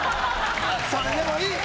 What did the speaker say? それでもいい。